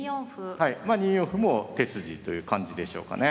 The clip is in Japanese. はいまあ２四歩も手筋という感じでしょうかね。